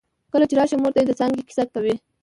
کله چې راشې مور ته يې د څانګې کیسه کوي